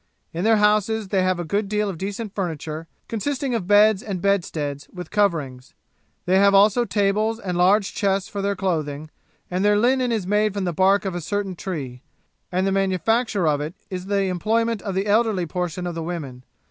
In their houses they have a good deal of decent furniture, consisting of beds and bedsteads, with coverings. They have also tables and large chests for their clothing; and their linen is made from the bark of a certain tree, and the manufacture of it is the employment of the elderly portion of the women.